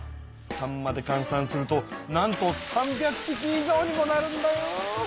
さんまでかん算するとなんと３００ぴき以上にもなるんだよ！